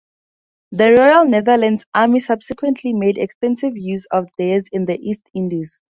The Royal Netherlands Army subsequently made extensive use of theirs in the East Indies.